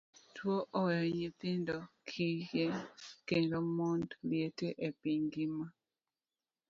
Tuoni oweyo nyithindo kiye kendo mond liete e piny ngima.